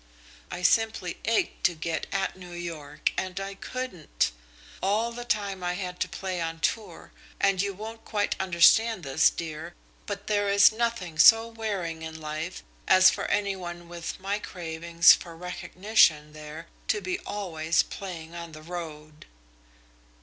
I simply ached to get at New York, and I couldn't. All the time I had to play on tour, and you won't quite understand this, dear, but there is nothing so wearing in life as for any one with my cravings for recognition there to be always playing on the road."